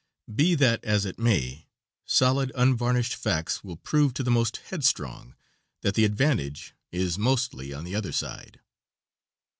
Be that as it may, solid, unvarnished facts will prove to the most headstrong that the advantage is mostly on the other side.